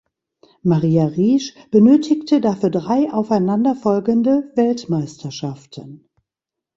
Maria Riesch benötigte dafür drei aufeinanderfolgende Weltmeisterschaften.